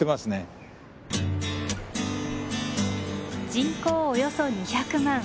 人口およそ２００万。